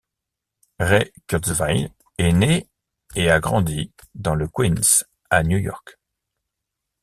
Ray Kurzweil est né et a grandi dans le Queens, à New York.